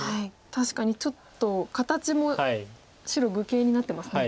確かにちょっと形も白愚形になってますね。